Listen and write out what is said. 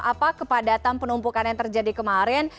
apa kepadatan penumpukan yang terjadi kemarin